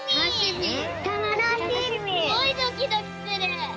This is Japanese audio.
すごいドキドキする。